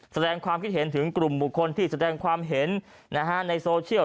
แสดงความคิดเห็นถึงกลุ่มบุคคลที่แสดงความเห็นในโซเชียล